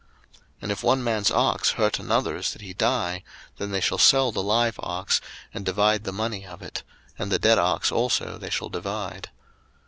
02:021:035 And if one man's ox hurt another's, that he die; then they shall sell the live ox, and divide the money of it; and the dead ox also they shall divide.